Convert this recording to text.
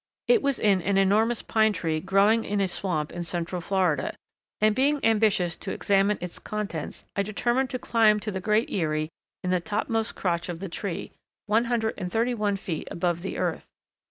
It was in an enormous pine tree growing in a swamp in central Florida, and being ambitious to examine its contents, I determined to climb to the great eyrie in the topmost crotch of the tree, one hundred and thirty one feet above the earth.